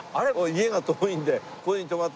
家が遠いんでここに泊まって。